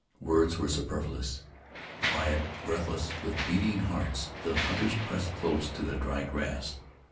Words were superfluous. Quiet, breathless, with beating hearts, the hunters pressed close to the dry grass.